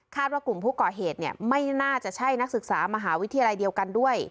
ว่ากลุ่มผู้ก่อเหตุไม่น่าจะใช่นักศึกษามหาวิทยาลัยเดียวกันด้วย